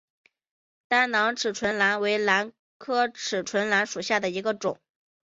单囊齿唇兰为兰科齿唇兰属下的一个种。